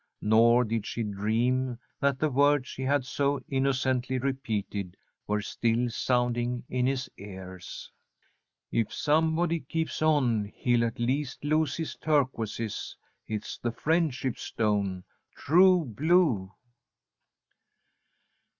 Nor did she dream that the words she had so innocently repeated were still sounding in his ears: "If somebody keeps on, he'll at least lose his turquoises. It's the friendship stone true blue!"